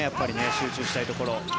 集中したいところ。